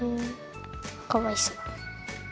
かわいそう。